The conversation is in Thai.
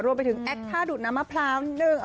รวมไปถึงแอคท่าดูดน้ำมะพร้าว